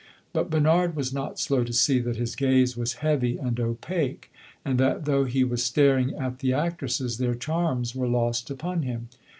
But Bernard was not slow to see that his gaze was heavy and opaque, and that, though he was staring at the actresses, their charms were lost upon him.